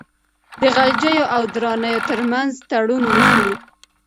د غلجیو او درانیو ترمنځ تړون وسو.